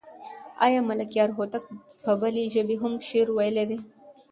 آیا ملکیار هوتک په بلې ژبې هم شعر ویلی دی؟